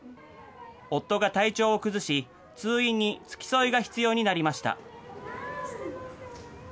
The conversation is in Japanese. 夫が体調を崩し、通院に付き添いが必要になりました。